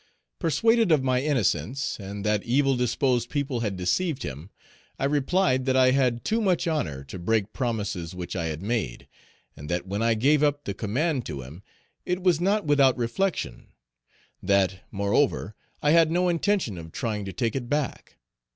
Persuaded of my innocence, and that evil disposed people had deceived him, I replied that I had too much honor to break promises which I Page 316 had made, and that when I gave up the command to him, it was not without reflection; that, moreover, I had no intention of trying to take it back.